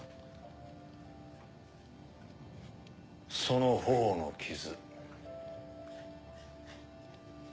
その頬の傷。